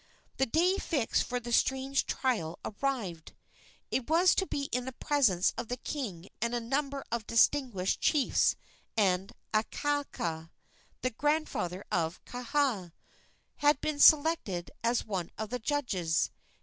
The day fixed for the strange trial arrived. It was to be in the presence of the king and a number of distinguished chiefs, and Akaaka, the grandfather of Kaha, had been selected as one of the judges.